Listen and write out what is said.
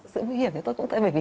sự nguy hiểm thì tôi cũng tự vì